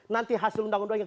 nanti hasil undang undangnya